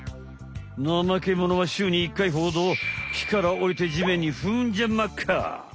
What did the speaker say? ナマケモノは週に１回ほど木からおりて地面にフンじゃまっか。